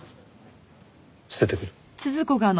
捨ててくる。